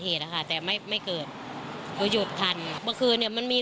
อ่ะค่ะแต่ไม่ไม่เกิดเขาหยุดทันเมื่อคืนเนี้ยมันมี